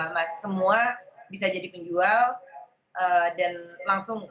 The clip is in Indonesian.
mas semua bisa jadi penjual